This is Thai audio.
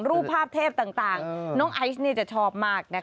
รูปภาพเทพต่างน้องไอซ์จะชอบมากนะคะ